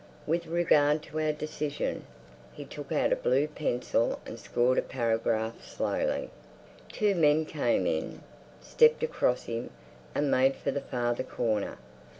"With regard to our decision—" He took out a blue pencil and scored a paragraph slowly. Two men came in, stepped across him, and made for the farther corner.